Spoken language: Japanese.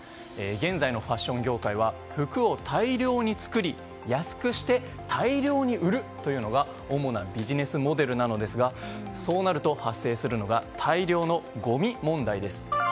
現在のファッション業界は服を大量に作り安くして大量に売るというのが主なビジネスモデルなのですがそうなると発生するのが大量のごみ問題です。